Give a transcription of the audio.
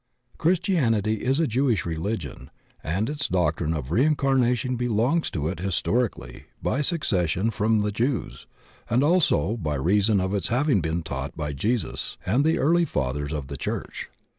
Christianity is a Jewish religion, and this doctrine of reincarnation belongs to it historically by succession from the Jews, and also by reason of its having been taught by Jesus and the early fathers of the church.